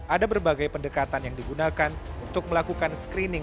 ada berbagai pendekatan yang digunakan untuk melakukan screening